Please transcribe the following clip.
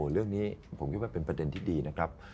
เรื่องนี้ผมคิดว่าเป็นประเด็นที่ดีนะครับ